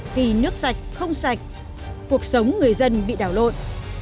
khi nước sạch không sạch cuộc sống người dân bị đảo lộn